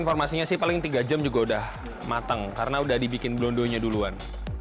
informasinya sih paling tiga jam juga udah matang karena udah dibikin blondonya duluan